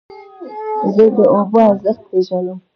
زه د اوبو ارزښت پېژنم.